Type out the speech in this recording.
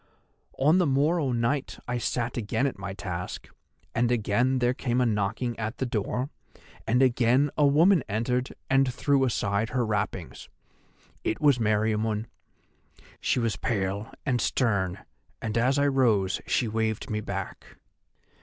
"On the morrow night I sat again at my task, and again there came a knocking at the door, and again a woman entered and threw aside her wrappings. It was Meriamun. She was pale and stern, and as I rose she waved me back.